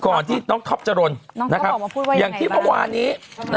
ที่น้องท็อปจรนอย่างที่เมื่อวานนี้